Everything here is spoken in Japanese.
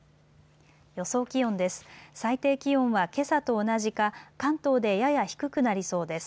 予想気温です。